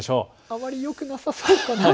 あまりよくなさそうですね。